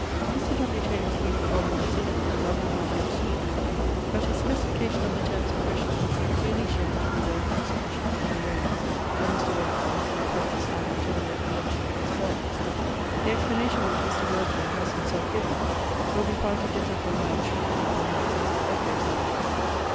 Mr. W. Taylor's recent volume of synonymes I have not yet seen ; but his specification of the terms in question has been clearly shown to be both insufficient and erroneous by Mr. Wordsworth in the Preface added to the late collection of his Poems. The explanation which Mr. Wordsworth has himself given, will be found to differ from mine, chiefly, perhaps as our objects are different.